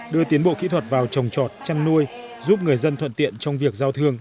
đưa tiến bộ kỹ thuật vào trồng trọt chăn nuôi giúp người dân thuận tiện trong việc giao thương